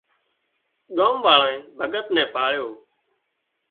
ڳام واۯانئين ڀڳت نين ڀاۯيو